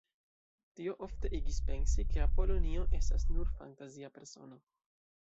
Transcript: Tio ofte igis pensi, ke Apolonio estas nur fantazia persono.